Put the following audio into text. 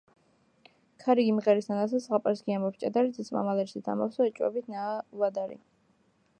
ქარი გიმღერის ნანასა, ზღაპარს გიამბობს ჭადარი.. ძეწმან ალერსით ამავსო ეჭვებით ნაავადარი